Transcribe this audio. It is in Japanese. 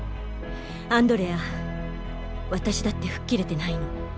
アンドレア私だって吹っ切れてないの。